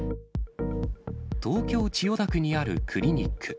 東京・千代田区にあるクリニック。